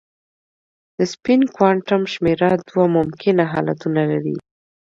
د سپین کوانټم شمېره دوه ممکنه حالتونه لري.